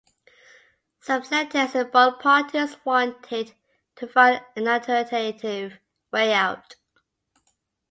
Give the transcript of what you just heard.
Some Senators in both parties wanted to find an alternative way out.